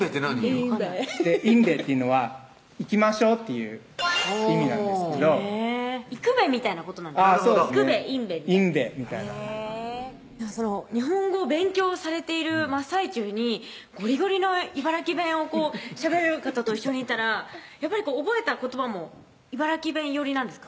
いんべっていうのは行きましょうっていう意味なんですけど「行くべ」みたいなことなんですか行くべいんべ日本語を勉強されている真っ最中にゴリゴリの茨城弁をしゃべる方と一緒にいたらやっぱり覚えた言葉も茨城弁寄りなんですか？